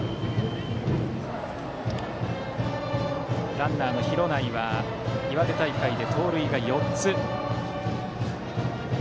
ランナーの廣内は岩手大会で盗塁４つ。